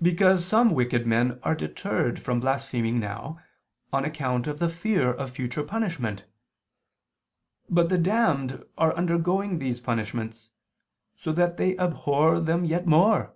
Because some wicked men are deterred from blaspheming now, on account of the fear of future punishment. But the damned are undergoing these punishments, so that they abhor them yet more.